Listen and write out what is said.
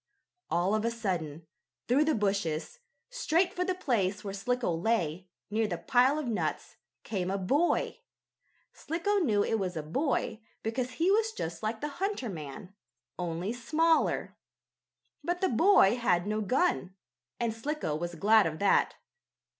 All of a sudden, through the bushes, straight for the place where Slicko lay, near the pile of nuts, came a boy. Slicko knew it was a boy because he was just like the hunter man, only smaller. But the boy had no gun, and Slicko was glad of that.